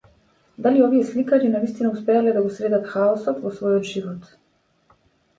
Дали овие сликари навистина успеале да го средат хаосот во својот живот?